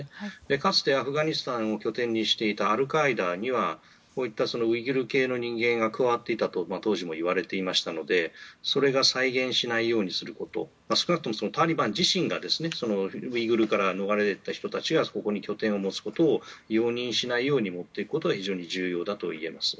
かつてアフガニスタンを拠点にしていたアルカイダにはこういったウイグル系の人間が加わっていると当時も言われていましたのでそれが再現しないようにすること少なくともタリバン自身がウイグルから逃れた人たちがここに拠点を持つことを容認しないように持っていくことが重要だと思います。